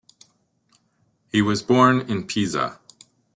He was born in Pisa.